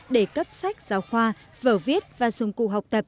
để cấp sách giáo khoa vở viết và dùng cụ học tập